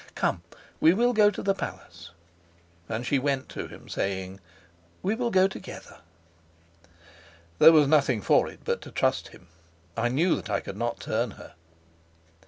Come, we will go to the palace." And she went to him, saying, "We will go together." There was nothing for it but to trust him. I knew that I could not turn her.